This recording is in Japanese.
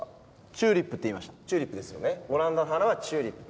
チューリップですよねオランダの花はチューリップ。